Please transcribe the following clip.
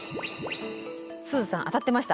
すずさん当たってました。